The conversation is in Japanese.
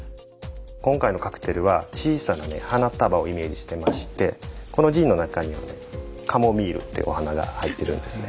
今回のカクテルは小さな花束をイメージしてましてこのジンの中にはねカモミールっていうお花が入ってるんですね。